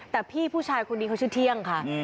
แต่พี่ผู้ชายคนนี้เขาชื่อเที่ยงค่ะ